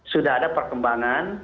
sudah ada perkembangan